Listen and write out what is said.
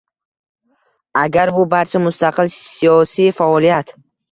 agar bu barcha mustaqil siyosiy faoliyat